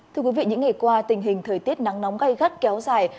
thưa quý vị những ngày qua tình hình thời tiết nắng nóng gây gắt kéo dài